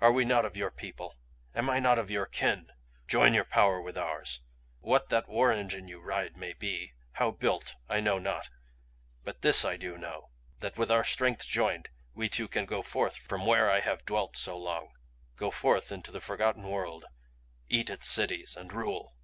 Are we not of your people? Am I not of your kin? Join your power with ours. What that war engine you ride may be, how built, I know not. But this I do know that with our strengths joined we two can go forth from where I have dwelt so long, go forth into the forgotten world, eat its cities and rule.